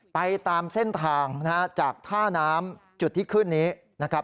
ไปตามเส้นทางจากท่าน้ำจุดที่ขึ้นเรือแบบนี้นะครับ